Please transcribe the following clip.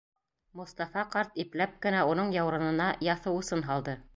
Мостафа ҡарт ипләп кенә уның яурынына яҫы усын һалды: